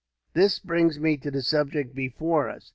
"This brings me to the subject before us.